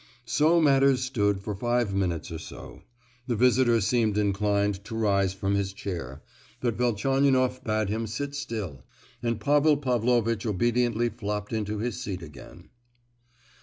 So matters stood for five minutes or so: the visitor seemed inclined to rise from his chair, but Velchaninoff bade him sit still, and Pavel Pavlovitch obediently flopped into his seat again.